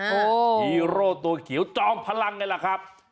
โอ้โฮฮีโร่ตัวเขียวจองพลังนี่แหละครับ